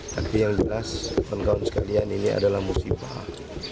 tapi yang jelas teman teman sekalian ini adalah musibah